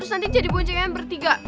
terus nanti jadi bocah yang bertiga